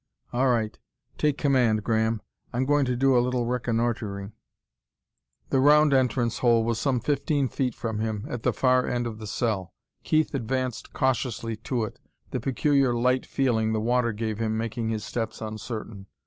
All right: take command, Graham. I'm going to do a little reconnoitering." The round entrance hole was some fifteen feet from him, at the far end of the cell. Keith advanced cautiously to it, the peculiar light feeling the water gave him making his steps uncertain.